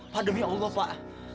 padahal ya allah pak